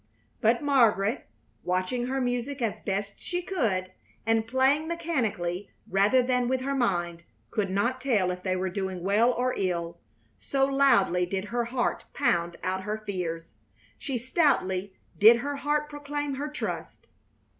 But Margaret, watching her music as best she could, and playing mechanically rather than with her mind, could not tell if they were doing well or ill, so loudly did her heart pound out her fears so stoutly did her heart proclaim her trust.